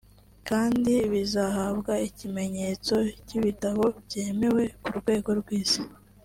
kandi bizahabwa ikimenyetso cy’ibitabo byemewe ku rwego rw’Isi”